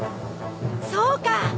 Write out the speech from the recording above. そうか！